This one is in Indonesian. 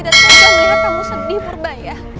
kau tidak bisa melihat kamu sedih purbaya